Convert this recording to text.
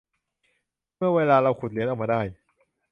เมื่อเวลาเราขุดเหรียญออกมาได้